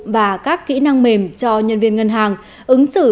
và các kỹ năng mềm cho ngân hàng